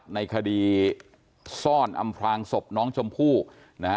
ในคดีซ่อนอำพลางศพน้องชมพู่นะฮะ